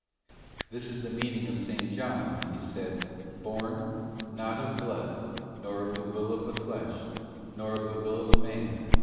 This is the meaning of S. John when he said, 'born, not of blood, nor of the will of the flesh, nor of the will of man, but of God.